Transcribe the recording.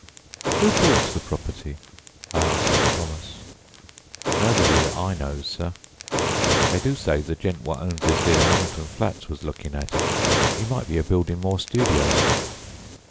"Who bought the property?" I asked Thomas. "Nobody that I knows, sir. They do say the gent wot owns this 'ere 'Amilton flats was lookin' at it. 'E might be a bildin' more studios."